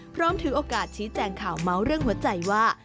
ถือโอกาสชี้แจงข่าวเมาส์เรื่องหัวใจว่า